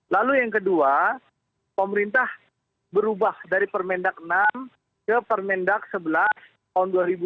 lalu yang kedua pemerintah berubah dari permendak enam ke permendak sebelas tahun dua ribu dua puluh